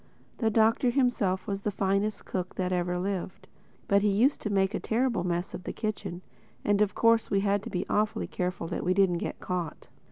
The Doctor himself was the finest cook that ever lived. But he used to make a terrible mess of the kitchen; and of course we had to be awfully careful that we didn't get caught.